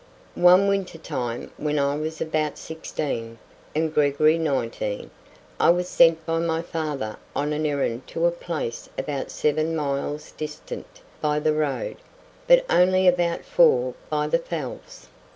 One winter time, when I was about sixteen, and Gregory nineteen, I was sent by my father on an errand to a place about seven miles distant by the road, but only about four by the Fells.